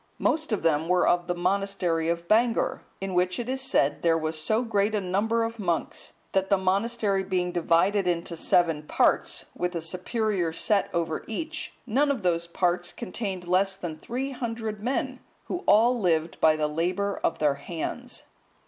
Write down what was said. Most of them were of the monastery of Bangor,(172) in which, it is said, there was so great a number of monks, that the monastery being divided into seven parts, with a superior set over each, none of those parts contained less than three hundred men, who all lived by the labour of their hands.